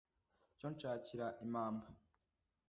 Cyo nshakira impammba